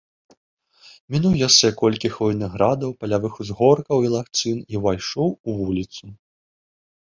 Мінуў яшчэ колькі хвойных градаў, палявых узгоркаў і лагчын і ўвайшоў у вуліцу.